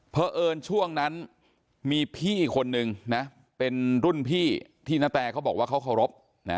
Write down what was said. เพราะเอิญช่วงนั้นมีพี่คนนึงนะเป็นรุ่นพี่ที่นาแตเขาบอกว่าเขาเคารพ